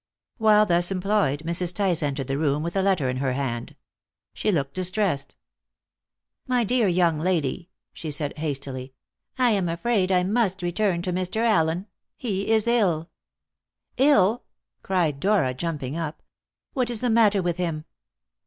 While thus employed, Mrs. Tice entered the room with a letter in her hand. She looked distressed. "My dear young lady," she said hastily, "I am afraid I must return to Mr. Allen. He is ill." "Ill!" cried Dora, jumping up. "What is the matter with him?"